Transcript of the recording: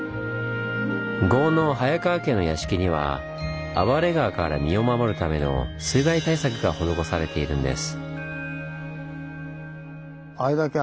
豪農早川家の屋敷には暴れ川から身を守るための水害対策が施されているんです。